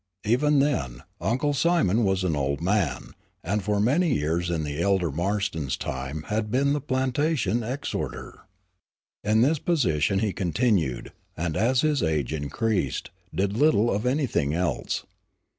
Even then, Uncle Simon was an old man, and for many years in the elder Marston's time had been the plantation exhorter. In this position he continued, and as his age increased, did little of anything else.